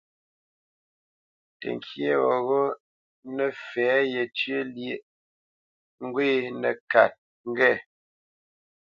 Təŋkyé weghó nə́ fɛ̌ yencyə̂ lyêʼ ŋgwə nə́kát ŋge.